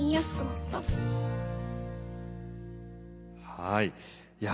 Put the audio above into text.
はい。